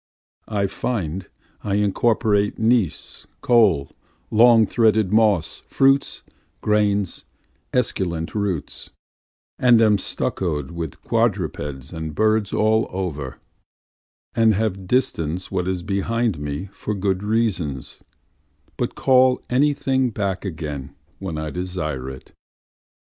I find I incorporate gneiss, coal, long threaded moss, fruits, grains, esculent roots, And am stuccoâd with quadrupeds and birds all over, And have distanced what is behind me for good reasons, But call any thing back again when I desire it.